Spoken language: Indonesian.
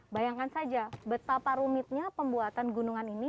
bayangkan saja betapa rumitnya pembuatan gunungan ini